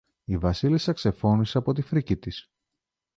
Η Βασίλισσα ξεφώνισε από τη φρίκη της